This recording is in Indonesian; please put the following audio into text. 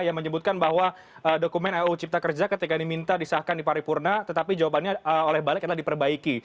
yang menyebutkan bahwa dokumen ruu cipta kerja ketika diminta disahkan di paripurna tetapi jawabannya oleh balik adalah diperbaiki